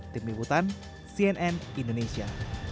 tim liputan cnn indonesia